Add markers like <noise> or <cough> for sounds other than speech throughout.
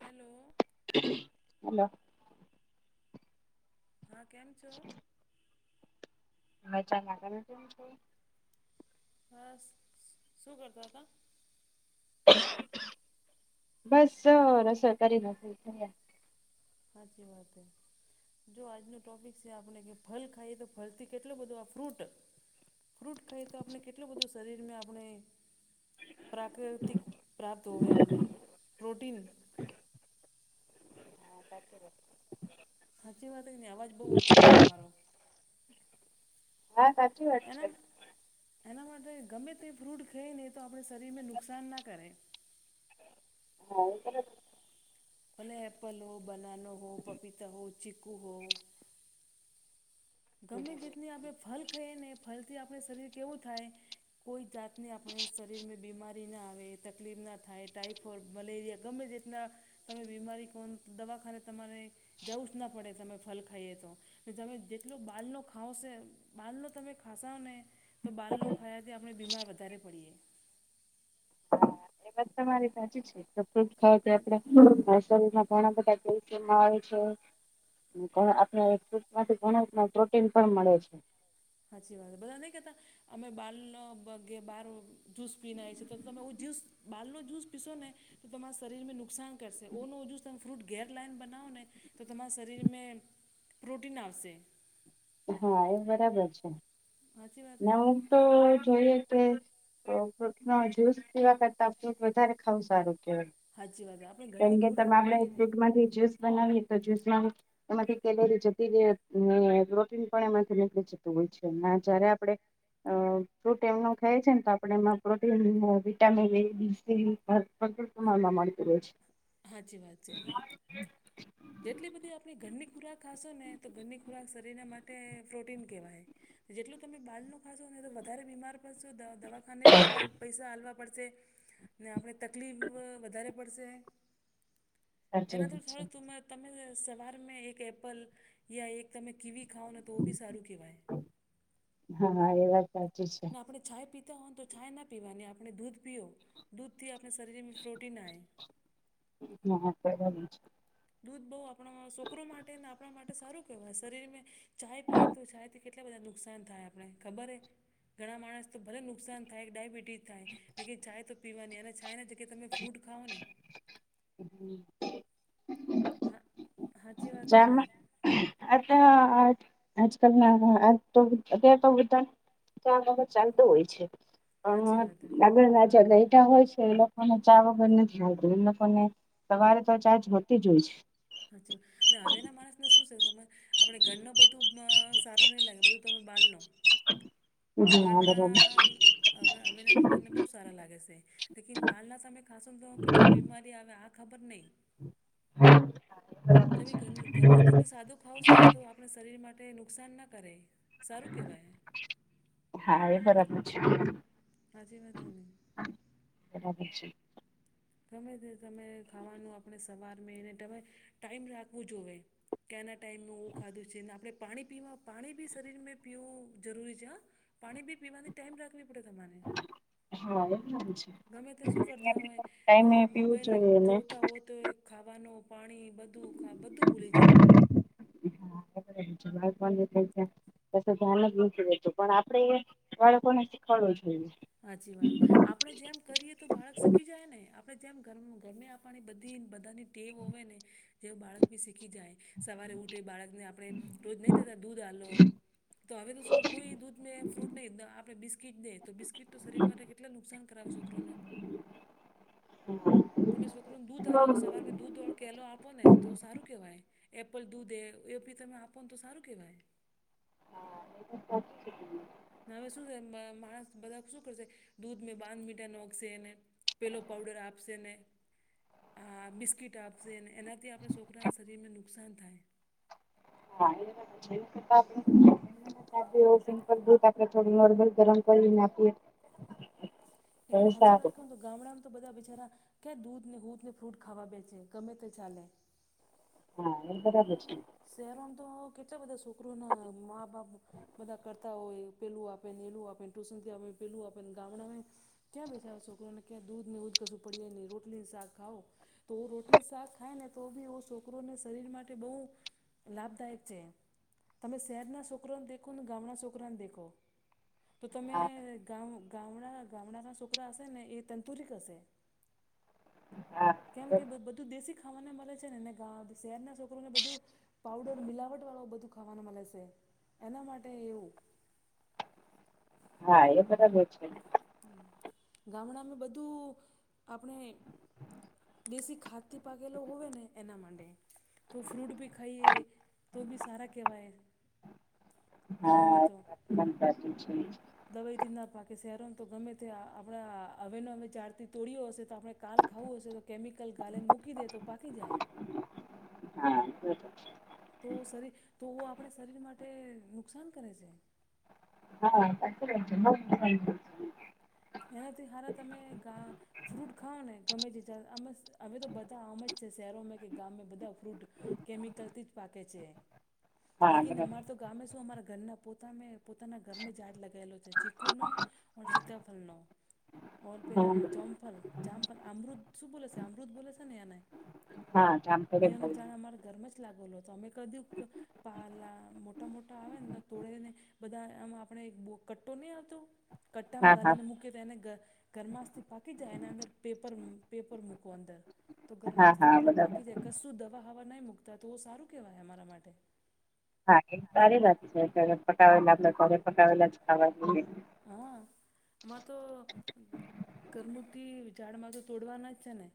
Hello hello હા કેમ છો? મજામાં તમે કેમ છો? બસ શું કરતા તા? બસ રસોઈ કરી <unintelligible> સાચી વાત હે જો આજનો ટોપિક સે આપણે કે ફલ ખાઈએ તો ફલથી કેટલો બધો આ ફ્રૂટ ફ્રૂટ ખઈએ તો આપને કેટલો બધો શરીરમેં આપણે પ્રાકૃતિક પ્રાપ્ત હોવે આપણે પ્રોટીન <unintelligible> સાચી વાત હે ને અવાજ બઉ ઓછો આવે તમારો હા સાચ એનામ એના માટે ગમે તે ફ્રૂટ ખયેને તો આપણે શરીરને નુકસાન ના કરે. <inaudible> ભલે એપલ હો, બનાનો હો, પપીતા હો, ચીકુ હો ગમે તેતની આપણે ફલ ખઈએ ને ફલથી આપણે શરીર કેવું થાય કોઈ જાત રતની આપણે શરીરમેં બીમારી ના આવે, તકલીફ ના થાય, ટાઇફોડ, મલેરિયા ગમે રીતના તમે બીમારી કોણ દવાખાને તમારે જવું જ ના પડે તમે ફલ ખાઈએ તો તમે ટલું બાલનો ખાવશે બાલનો તમે ખાસાને તો બાલનો ખાયાથી આપણે બીમાર વધારે પડીએ. <unintelligible> <unintelligible> ઘણા બધા દેશી મળે છ આપણે ફૂટ માંથી ઘણા પ્રોટીન પણ મળે છે સાચી વાત બધા નઈ કેતા અમે બાળનો બહાર જ્યૂુસ પીનેએ છીએ તો તમે એ જ્યુસ બાળનો જ્યૂસ પીશો ને તો તમારા શરીરને નુકસાન કરશે ઓ ન ઓજું તમે ફ્રૂટ ઘેર લાઈન બનાવો ને તો તમારા શરીરમાં પ્રોટીન આવશે હા એ બરાબર છે સાચી વાત છે ને નવ તો જોઈએ કે ફૂટ ન જ્યુસ પીવા કરતા ફ્રૂટ વધારે ખાવું સારું સાચી વાત આપણે ઘરની કેમકે તમે ખોરાક આપણે ખાઈએ ને ફ્રૂટ માંથી બનાવીએ તો જ્યુસ નાવ એમાંથી કેલરી જતી રહે ને પણ એમાંથી નીકળી જતું હોય છે અને જયારે આપડે અ ફ્રૂટ એમનું ખાય છે ને તો આપણે એમાં પ્રોટીન વિટામિન એડીસી <unintelligible> હાચી વાત છે જેટલી બધી આપણી ઘરની ખોરાક ખાશો ને તો ઘરની ખોરાક શરીરના માટે પ્રોટીન કહેવાય જેટલું તમે બહારનું ખાશો ને વધારે બીમાર પડશો દવાખાને બી તમારે પૈસા હાલવા પડશે ને આપણે તકલીફ વધારે પડશે સાચી એના તો વાત છે. સારું તમે તો તમે સવાર મેં એક એપલ યા એક તમે કીવી ખાઓ ને તો બી સારું કહેવાય હા એ વાત સાચી છે ચાય પીતા હોય તો છાય ના પીવાની આપણે દૂધ પીઓ દૂધથી આપણા શરીરમાં પ્રોટીન આવે હા બરાબર છે દૂધ બહુ આપણા છોકરો માટે ને આપણા માટે સારું કહેવાય શરીરને ચાય પીએ ને તો ચ થી કેટલા બધા નુકસાન થાય આપણે ખબર હે ઘણા માણસ તો ભલે નુકસાન થાય ડાયબિટી ટીસ થાય લેકિન ચાય તો પીવાની એને જે તમે ફ્રૂટ ખાવઓ ને <inaudible> હા હાચી વાત એ હે નહી? એટલા અ આજકાલ ના આ તો અત્યાર તો બધા તો આ બાબત ચાલતો હોય છે સાચી વાત હે. પણ આગળ રાજા રેતા હોય છે એ લોકોને ચા વગર નથી હાલતું એમ તો લોકોને સવારે તો ચા જોતી જ હોય છે સાચી વાત હવે ના માણસને શું છે તમે આપે ઘરના બધું સારું નહી લાગે બધું તમે બાર માં હોય છે બાર હા બરાબર નાં હવે હવેના લોકોને બહુ સારા લાગે છે લેકિન બાળના સામે ખાસોને તો કેટલી બીમારી આવે આ ખબર નઈ હ <inaudible> ખાવં છો ને તો આપણે શરીર માટે નુકસાન ના કરે સારું કહેવાય હા એ બરાબર છે હાચી વાતે હે કે નહી બરાબર છે ગમે તે તમે ખાવાનું આપણે સવાર મે એને તમે ટાઈમ રાખવું જોઈએ ક્યાંના ટાઈમનું હું ખાધું છે ને આપણે પાણી પીવા પાણી બી શરીરમાં પીવું જરૂરી છે હા પાણી બી પીવાથી ટાઈમ રાખવી પડે તમારે હા એમ છે ગમે ત્યાં શું કરતા હોય ટાઈમે આ પીવું મોબાઈલ જોઈએ ને જોતા હોય તો ખાવાનું પાણી બધું બધું ભૂલી જાય <unintelligible> થઈ <unintelligible> પસ ધ્યાન જ નથી રેતું પણ આપડે બાળકોને શીખવાડવું જોઈએ સાચી વાત આપણે જેમ કરીએ તો બાળક શીખી જાય ને આપણે જેમ ગમે આપણી બધી બધાની કહેવું હોય ને જેવુ બાળક બી શીખી જાય સવારે ઉઠે બાળકને આપણે રોજ નહીં થતા દૂધ આલો તો હવે તો શું કોઈ દૂધ ને ફ્રૂટ નહીં આપણે બિસ્કીટ દે તો બિસ્કીટ તો શરીર માટે કેટલા નુકસાન કરાવ છોકરોને હમ તમે છોકરો ને દૂધ આલો સવાર દૂધ પ્યાલો આપો ને તો સારું કહેવાય એપલ દૂધે એ બી તમે આપો ને તો સારું કહેવાય વાત સાચી હવે શું છે માણસ બધા શું કરશે દૂધ મેં બાંધ મીઠા નોકશેને પેલો પાવડર આપશે ને આ બિસ્કીિટ આપશે અને એનાથી આપણા છોકરાના શરીરને નુકસાન થાય <unintelligible> <unintelligible> <unintelligible> આપણે થોડું નોર્મલ ગરમ કરીને આપીએ તો લેકીન હાચી સારું વાત કેવ તો ગામડામાં તો બધા બચારા ક્યાંય દૂધ ને હુદ ને ફ્રૂટ ખાવા બેચ છે ગમે તે ચાલે હા એ બ <inaudible> <unintelligible> શહેરો મ તો કેટલા બધા છોકરો ના મા બાપ, બધા કરતા હોય પેલું આપે ને એલું આપેને ટુશન થી પેલું આપેને ગામડા આવે, ક્યાં બેસાાવો છોકરોને ક્યાં દૂધ ને ઉધ કશું પડી હોય ન રોટલી ને શાક ખાવુ, તો રોટલી શાક ખાય ને તો બી ઓ છોકરોને શરીર માટે બહુ, લાભદાયક છે. તમે છોકરાને દેખો ને ગામના દેખો તો તમે હા ગામ, ગામડા ગામડાના છોકરા હશે એ તંદુરસ્ત હશે. હા કેમ કે બધું દેશી ખાવાના મળે છે નેને ગ શહેરના છોકરોને બધું, પાવડર મિલાવટવાળા બધુ ખાવાનું મળે છે માટે એવું, હા એ બરાબ છે. ગામડામાં બધું આપણે, દેશી ખાદ થી પાકેેલો હોય ને એના માટે, તો ફ્રૂટ ભી ખાઈએ તો બી સારા કેહેવાય. ગામ મે હા તો, <unintelligible> <unintelligible> <inaudible> <inaudible> દવાઈ થી ના પાકી શહેરોમાં તો ગમે તે આપણા હવે ન <unintelligible> જ્યાર થી તોડ્યો હશે તો આપણે, કાલ ખાવું હશે તો કેમિકલ ગાલેને મૂકી દે તો પાકી જાય, હા <inaudible> તો શરીર તો આપણે શરીર માટે નુકસાન કરે છે. <unintelligible> <unintelligible> <inaudible> <inaudible> એનાથી હાર તમે ગા, ફ્રૂટ ખાવઓ ને ગમે છે અમે તો બધા આમ જ છે શહેરોમાં કે ગામ બધા ફ્રૂટ, કૅમિકલ થી જ પાકે છે લેકન અમાર બરાબર. તો, તો આમે શું અમારા ઘરના પોતા પોતાના ઘરમે જ ઝાડ લગાયેલો છે ચીકુનો સીતાફળ, ફળ નુ, ઓલ પેલા જામફલ જામફલ અમૃત શું બોલે છે અમૃત બોલે છે ને એને, હા હા જામ કરે એનું ભાઈ. ઝાડ અમારા ઘરમાં જ લાગેલો હતો અમે ક દ, પાલા મોટા મોટા આવે ને તોળેને, બધા આમ આપેડે કટ્ટો નહી આવતો કટ, હા ફલને હા મૂકી એને ગર ગરમાસ થી પાકી જાય એ અંદર પેપર પેપર મૂકો અંદર, તો હા હા ગરમાશથી પેલાં બરાબર પાકી જાય કશું દવા હવા નહીં મૂકતા તો એ સારું કહેવાય અમારા માટે. હા એરી ત સારી વાત છે અત્યારે પકાવેલા આપ પકાવેલા ખાવા, હા મારે તો, કરરમુતી ઝાડમાં તો તોડવાના જ છે ને.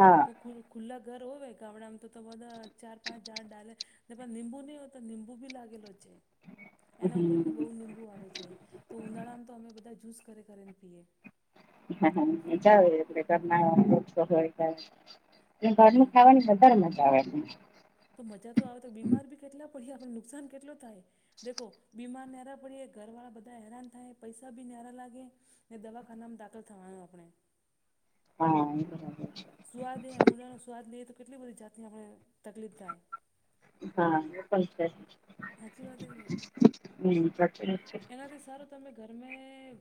હા તો ખુલ્લા ઘર હોવે ગામડામાં તો તો બધા ચાર પાંચ જાડ ડાલે આપણ નિંબુ નહી હો તો નીબું લાગેલલો છે. એના ઉપર બી બહુ હમ નીબું આવે છે, તો ઉનાળામાં તો અમે બધા જ્યુસ કરી કરી ને પીએ. <inaudible> જાવ ઘર અને ઘરનું હમ ખાવાની મજાઆવે, <unintelligible> <inaudible> તો મજા તો આવે તો બીમાર બી કેટલા પડીયે આપને નુકસાન કેટલું થાય. દેખો બીમાર નાયારા પડીયે ઘર વાળા બધા હેરાન થાય પૈસા બી નાયારા લાગે. દવાખાનામાં દાખલ થવાનું આપડે. હા. <inaudible> સ્વાદ એ મૂળાનો સ્વાદ લઈએ તો કેટલી બધી જાતની આપણેને તકલીફ થાય <inaudible> સાચી વાત એ કે હમ સાચી વાત <unintelligible> સારુ તમે ઘર મે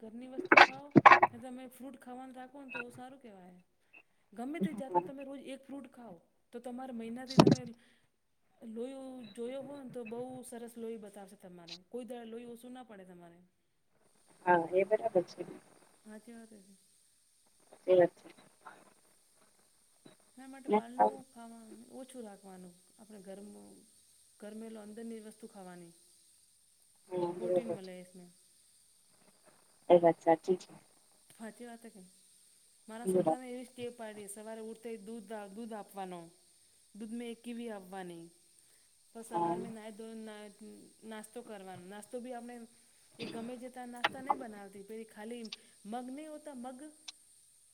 ઘરની વસ્તુ ખાઓ અને તમે ફ્રૂટ ખાવાનું રાખો ને તો સારું કહેવાય. ગમે તે જાતને તમે રોજ એક ફ્રૂટ ખાવઓ તો તમારા મહિનાથી તમે લોય જોયો હોય ને તો બઉ બ સરસ લોહી બતાવશે તમારે કોઈ દાળ લોહી ઓછું ના પડે તમારે <unintelligible> હાસી વાત હે. <unintelligible> ના માટે છે બાળનું ખાવાનું ઓછું રાખવાનું આપણે ઘરનુ ગરમેલો અંદરની વસ્તુ ખાવાની પ્રોટીન બરાબર મળે એને એ વાત સાચી છે. સાચી વાત નહી મારા બરાબર. છોકરાને એવી કે પાડી સવારે ઉઠતા દૂધ દૂધ આપવાનો દૂધ મેં કીવી આપવાની તો સવાર હા મેં નાહે ધોયે નાસ્તો કરવાનો નાસ્તો બી આપણે એ ગમે જતા નાસ્તા નહી બનાવતી પેલી ખાલી મગ નહિ હોતા મગ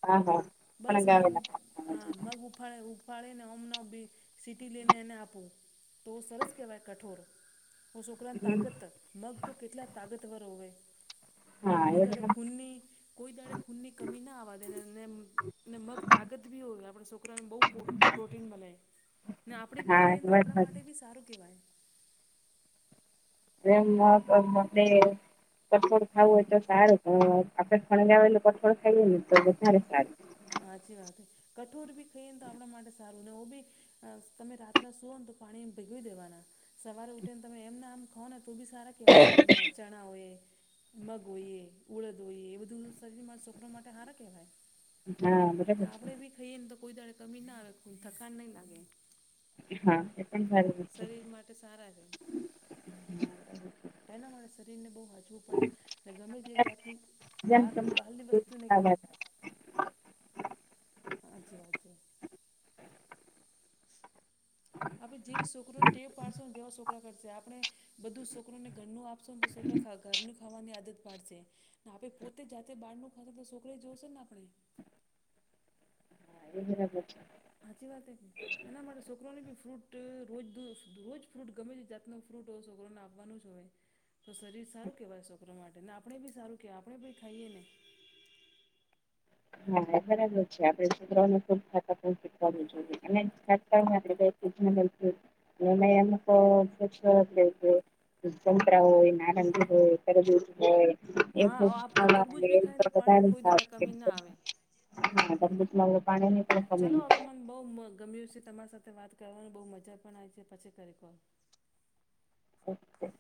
હા હા. બસ પણ મગ ગાવેલા ઉપ હા મગ ઉપફાળે ફાળીને હમને સીટી લઈને એને આપું તો સરસ કહેવાય કઠોર ઓ છોકરાને તાગત મગ તો કેટલા તાગતવર હોય એ કોઈ દાડે ખૂનની કોઈ દાડે ખૂનની કમી ના આવા દે ને ને મગ તાગત બી હોય આપણે છોકરાઓને બહુ પ્રોટીન મળે. ને આપણે બી હા ખાઈએ ને તો એ વાત આપણા માટે બી સારું કહેવાય. <unintelligible> કઠોળ ખાવું હોય તો સારું પણ આપડે ફળ તો કઠોળ ખાઈએ ને તો વધારે સારું સાચી વાત કઠોર બી ખાઈએ ને તો આપણા માટે સારું ને એઉ બી તમે રાત્રે સુઓ ને તો પાણી ભેગવી દેવાના સવારે ઉઠી ને તમે એમને આમ ખાવો ને તો બી સારા કેવાય શરીરમાં તો ચણા હોય મગ હોયએ ઉળદ હોઈએ એ બધું શરીરમાં છોકરા માટે હારા કહેવાય. હા. ને બરાબર આપડે છે બી ખાઈએ ને તો કોઈ દાડે કમી ના આવે થકાન નહી લાગે. હા એ પણ સારું છે. શરીર માટે સારા તેના મારા શરીરને બહુ હચવું પડે ગમે તે જાતની જેમ બહાર તમે બહારની વસ્તુ નહી હા એ ખાય. હાચી વાત છે. આપણે જેવી છોકરોઓને ટેવ પાડશો ને જેવા છોકરા કરશે આપણે બધું છોકરોને ઘરનું આપ <inaudible> છોકરા ખા ઘરનુ ખાવાની આદત પાડશે ને આપણે પોતે જાતે બહારનું ખાશે તો છોકરા જોવશે ને આપણે તે બરાબર છે. હાચી વાત હેકે એના માટે છોકરો ની બી ફ્રૂટ રોજ રોજ ફ્રૂટ ગમે તે ફ્રૂટ આપવાનું જ હોય તો શરીર સારું કહેવાય છોકરા માટે ને આપણે બી સારું કહેવાય આપણે બી ખાઈએ ને બરાબર છે આપડે છોકરાઓને પણ વાડવું જોઈએ અને <unintelligible> મને એમ કો <unintelligible> સંતરા હોય, નારંગી હોય, તરબુજ હોય એ હા આપ તરબૂજ બી ખાય તો બધા પાણીની ને કોઈ સારુ દાડા કે કમી ના આવે. હા તબલીત મા પાણીની પણ કમી ચાલલો હવે નથી. મને બહુ ગમ્યું છે તમારી સાથે વાત કરવાનું બહુ મજા પણ આવી છે. પછી કરી કહ ઓકે